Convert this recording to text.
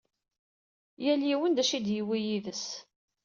Yal yiwen d acu i d-yuwi yid-s.